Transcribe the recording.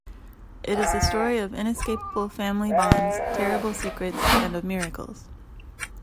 It is a story of inescapable family bonds, terrible secrets, and of miracles.